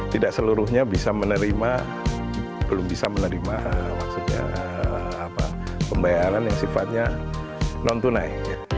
tidak seluruhnya bisa menerima belum bisa menerima maksudnya pembayaran yang sifatnya non tunai